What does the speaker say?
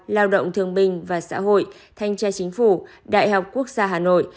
lao động thương bình và xã hội thanh tra chính phủ đại học quốc gia hà nội